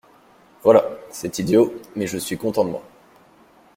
Voilà, c’est idiot, mais je suis content de moi.